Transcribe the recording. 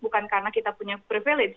bukan karena kita punya privilege